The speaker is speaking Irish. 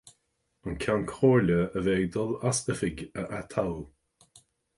An Ceann Comhairle a bheidh ag dul as oifig a atoghadh.